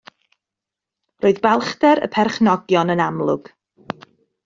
Roedd balchder y perchnogion yn amlwg.